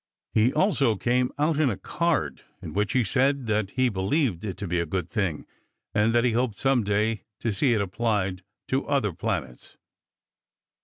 He also came out in a card in which he said that he believed it to be a good thing, and that he hoped some day to see it applied to the other planets.